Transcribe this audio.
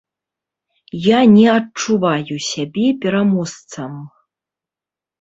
Я не адчуваю сябе пераможцам.